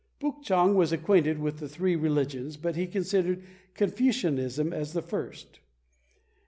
Puk chang was acquainted with the three religions, but he considered Confucianism as the first.